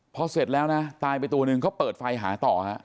พอเสร็จแล้วนะตายไปตัวนึงเขาเปิดไฟหาต่อฮะ